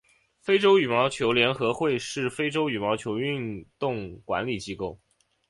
非洲羽毛球联合会是非洲羽毛球运动管理机构。